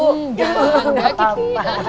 enggak enggak apa apa